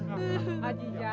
kasar baru saja